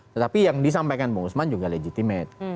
tetapi yang disampaikan bung usman juga legitimate